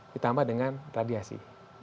ditambah dengan radiasi